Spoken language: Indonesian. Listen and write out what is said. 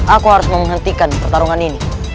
aku harus menghentikan pertarungan ini